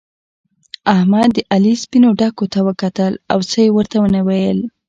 احمد د علي سپينو ډکو ته وکتل او څه يې ورته و نه ويل.